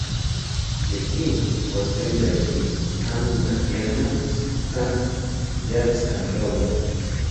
The team was joined by Dibnah's sons, Jack and Roger.